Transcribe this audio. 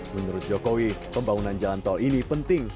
menurut jokowi pembangunan jalan tol ini penting